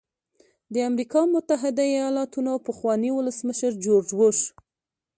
د امریکا متحده ایالاتو پخواني ولسمشر جورج بوش.